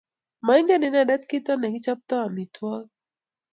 maingen inendet kito ne kichoptoi amitwogik